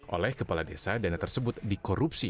oleh kepala desa dana tersebut dikorupsi